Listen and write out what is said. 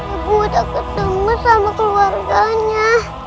ibu udah ketemu sama keluarganya